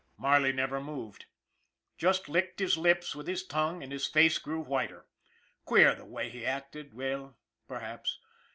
Marley never moved, just licked his lips with his tongue and his face grew whiter. Queer, the way he acted? Well, perhaps.